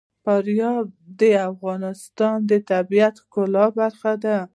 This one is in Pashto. فاریاب د افغانستان د طبیعت د ښکلا برخه ده.